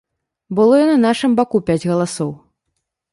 Было і на нашым баку пяць галасоў.